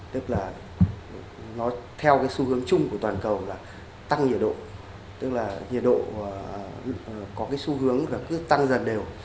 tức là nó theo xu hướng chung của toàn cầu là tăng nhiệt độ tức là nhiệt độ có xu hướng tăng dần đều